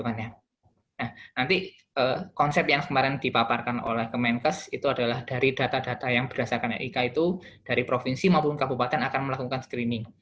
nah nanti konsep yang kemarin dipaparkan oleh kemenkes itu adalah dari data data yang berdasarkan nik itu dari provinsi maupun kabupaten akan melakukan screening